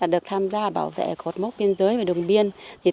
được tham gia bảo vệ cột mốc biên giới và đồng biên